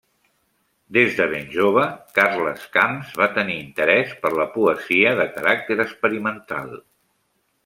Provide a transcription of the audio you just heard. Des de ben jove, Carles Camps va tenir interès per la poesia de caràcter experimental.